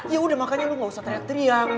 yaudah makanya lu gak usah teriak teriak